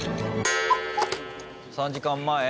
３時間前。